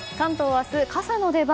明日、傘の出番。